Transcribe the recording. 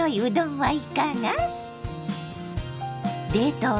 はい。